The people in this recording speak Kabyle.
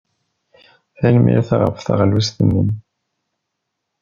Tanemmirt ɣef teɣlust-nni.